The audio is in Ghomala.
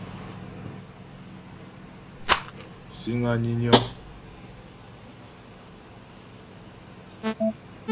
Síŋ á nyə́nyɔ́.